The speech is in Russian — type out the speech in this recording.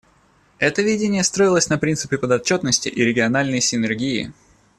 Это видение строилось на принципе подотчетности и региональной синергии.